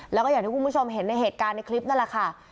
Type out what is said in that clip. แล้วก็อย่างที่คุณผู้ชมเห็นในเหตุการณ์ในคลิปนั่นแหละค่ะ